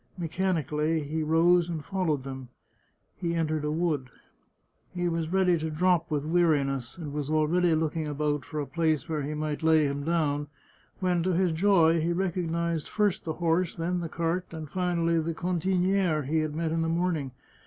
Mechanically he rose and followed them ; he entered a wood. He was ready to drop with weari ness, and was already looking about for a place where he might lay him down, when to his joy he recognized first the horse, then the cart, and finally the cantinihe SI The Chartreuse of Parma he had met in the morning.